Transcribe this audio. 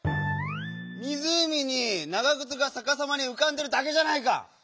みずうみにながぐつがさかさまにうかんでるだけじゃないか！